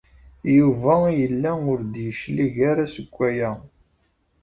Yuba yella ur d-yeclig ara seg waya.